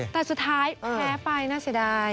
แต่สุดท้ายแพ้ไปน่าเสียดาย